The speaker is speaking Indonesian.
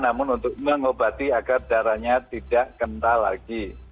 namun untuk mengobati agar darahnya tidak kental lagi